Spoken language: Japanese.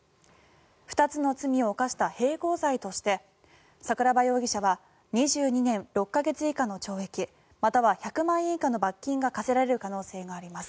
２つの罪を犯した併合罪として桜庭容疑者は２２年６か月以下の懲役または１００万円以下の罰金が科せられる可能性があります。